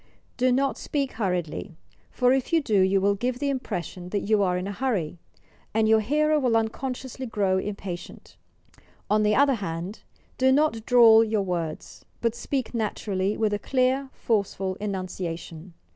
Do not speak hurriedly, for if you do you will give the impression that you are in a hurry, and your hearer will unconsciously grow impatient. On the other hand, do not drawl your words, but speak naturally with a clear, forceful enunciation.